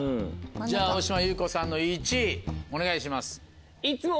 じゃあ大島優子さんの１位お願いします。